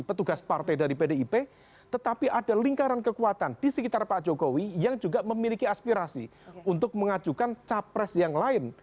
petugas partai dari pdip tetapi ada lingkaran kekuatan di sekitar pak jokowi yang juga memiliki aspirasi untuk mengajukan capres yang lain